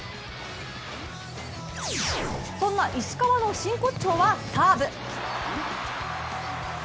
そんな石川の真骨頂はサーブ。